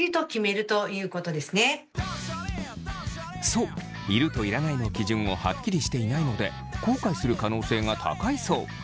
そういるといらないの基準をはっきりしていないので後悔する可能性が高いそう。